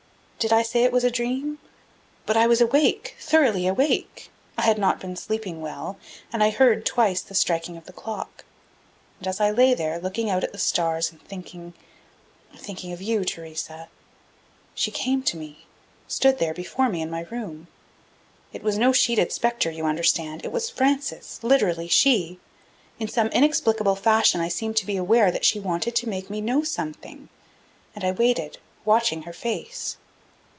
"Did I say it was a dream? But I was awake thoroughly awake. I had not been sleeping well, and I heard, twice, the striking of the clock. And as I lay there, looking out at the stars, and thinking thinking of you, Theresa, she came to me, stood there before me, in my room. It was no sheeted specter, you understand; it was Frances, literally she. In some inexplicable fashion I seemed to be aware that she wanted to make me know something, and I waited, watching her face.